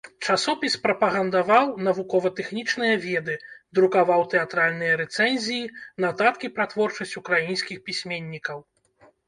Часопіс прапагандаваў навукова-тэхнічныя веды, друкаваў тэатральныя рэцэнзіі, нататкі пра творчасць украінскіх пісьменнікаў.